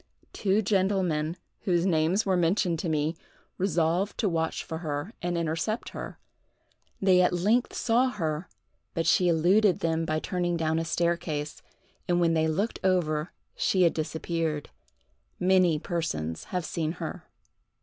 Two gentlemen, whose names were mentioned to me, resolved to watch for her and intercept her. They at length saw her but she eluded them by turning down a staircase, and when they looked over she had disappeared. Many persons have seen her.